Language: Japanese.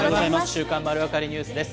週刊まるわかりニュースです。